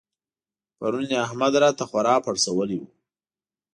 پرون يې احمد راته خورا پړسولی وو.